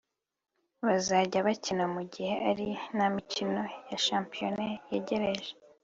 bakazajya bakina mu gihe ari nta mikino ya shampiyona yegereje